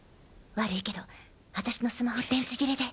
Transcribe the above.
悪いけど私のスマホ電池切れで。